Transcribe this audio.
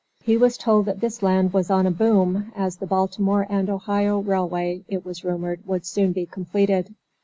He was told that this land was on a 'boom,' as the Baltimore and Ohio Railway, it was rumored, would soon be completed.